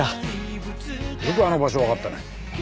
よくあの場所わかったね。